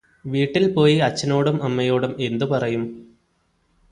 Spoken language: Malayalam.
വീട്ടിൽ പോയി അച്ഛനോടും അമ്മയോടും എന്തുപറയും